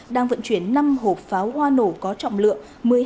đang vận chuyển năm hộp pháo hoa nổ có trọng lượng